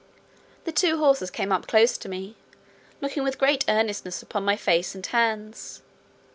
The two horses came up close to me, looking with great earnestness upon my face and hands.